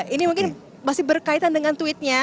ini mungkin masih berkaitan dengan tweetnya